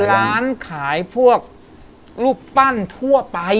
ร้านขายพวกรูปปั้นทั่วไป